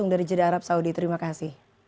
dari jeddah arab saudi terima kasih